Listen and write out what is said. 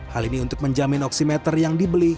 hal ini untuk menjamin oksimeter yang dibeli